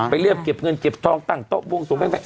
เรียบเก็บเงินเก็บทองตั้งโต๊ะบวงสวง